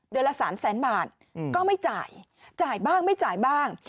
ละ๓แสนบาทก็ไม่จ่ายจ่ายบ้างไม่จ่ายบ้าง